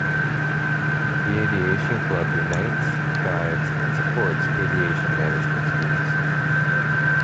The Aviation Club unites, guides, and supports Aviation Management students.